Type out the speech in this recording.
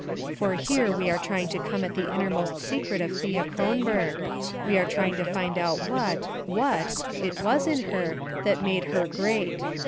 For here we are trying to come at the innermost secret of Thea Kronberg, we are trying to find out what what it was in her that made her great.